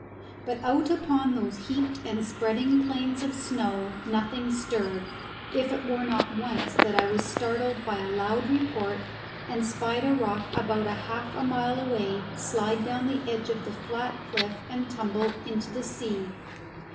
But out upon those heaped and spreading plains of snow nothing stirred, if it were not once that I was startled by a loud report, and spied a rock about half a mile away slide down the edge of the flat cliff and tumble into the sea.